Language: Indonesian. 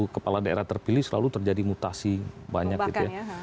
kepala daerah terpilih selalu terjadi mutasi banyak gitu ya